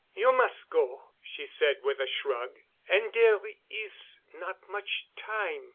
"You mus' go," she said with a shrug, "an' dere is not much time.